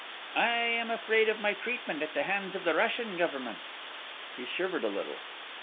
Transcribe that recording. I am afraid of my treatment at the hands of the Russian Government." He shivered a little.